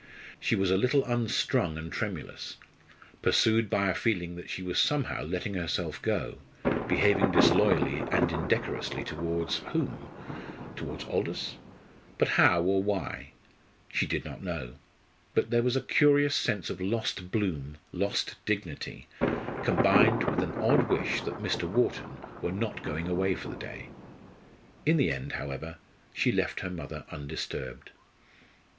She was a little unstrung and tremulous, pursued by a feeling that she was somehow letting herself go, behaving disloyally and indecorously towards whom? towards Aldous? But how, or why? She did not know. But there was a curious sense of lost bloom, lost dignity, combined with an odd wish that Mr. Wharton were not going away for the day. In the end, however, she left her mother undisturbed.